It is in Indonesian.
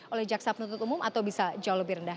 oleh jaksa penuntut umum atau bisa jauh lebih rendah